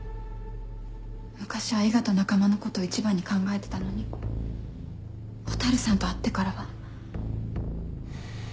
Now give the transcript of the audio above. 昔は伊賀と仲間のことを一番に考えてたのに蛍さんと会ってからは。